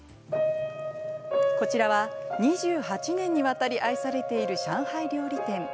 こちらは、２８年にわたり愛されている上海料理店。